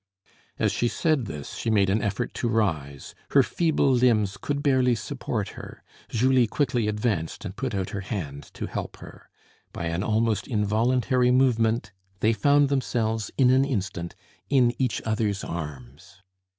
As she said this she made an effort to rise; her feeble limbs could barely support her; Julie quickly advanced and put out her hand to help her; by an almost involuntary movement they found themselves, in an instant, in each other's arms.